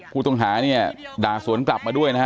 ผู้ต้องหาเนี่ยด่าสวนกลับมาด้วยนะฮะ